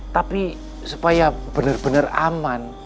tapi supaya benar benar aman